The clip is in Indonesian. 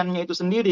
eventnya itu sendiri